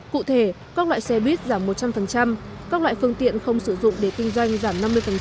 cụ thể các loại xe buýt giảm một trăm linh các loại phương tiện không sử dụng để kinh doanh giảm năm mươi